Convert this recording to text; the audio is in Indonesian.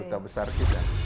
tidak besar besar kita